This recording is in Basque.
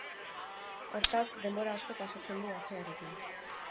Hortaz, denbora asko pasatzen du ajearekin.